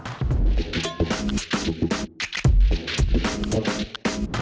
การเตรียมวัดสว่างอารมณ์